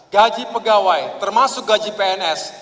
gaji pegawai termasuk gaji pns